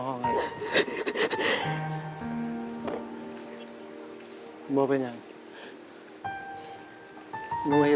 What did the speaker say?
โครงใจโครงใจโครงใจ